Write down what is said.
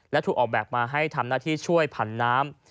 และถูกออกแบบมาให้ทำหน้าที่ช่วยผันน้ำ